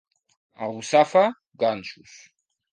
A Russafa, ganxos.